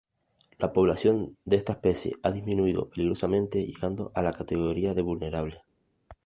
La población de esta especie ha disminuido peligrosamente llegando a la categoría de vulnerable.